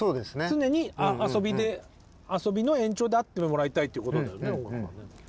常に遊びの延長であってもらいたいっていうことだよね。